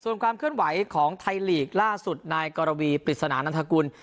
ส่วนความเคลื่อนไหวของไทยลีกล่าสุดนายกรวีปริศนานันทกุล